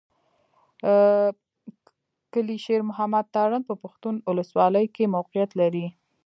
کلي شېر محمد تارڼ په پښتون اولسوالۍ کښې موقعيت لري.